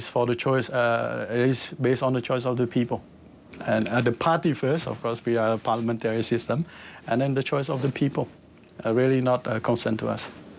ซึ่งหุ่นมณีก็ได้พูดถึงการแข่งขันกันระหว่างพี่น้องในการเป็นผู้นำกัมพูชา